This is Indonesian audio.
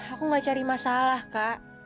aku gak cari masalah kak